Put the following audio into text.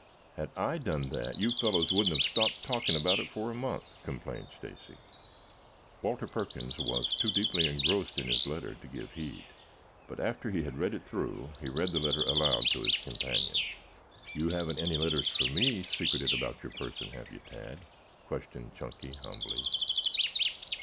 "Had I done that you fellows wouldn't have stopped talking about it for a month," complained Stacy. Walter Perkins was too deeply engrossed in his letter to give heed, but after he had read it through he read the letter aloud to his companions. "You haven't any letters for me secreted about your person, have you, Tad?" questioned Chunky humbly.